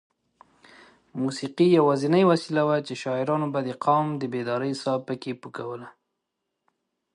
موسېقي یوازینۍ وسیله وه چې شاعرانو به د قام بیدارۍ ساه پکې پو کوله.